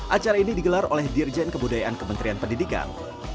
acara ini digelar oleh dirjen kebudayaan kementerian pendidikan